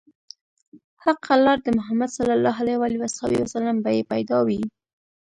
حقه لار د محمد ص به يې پيدا وي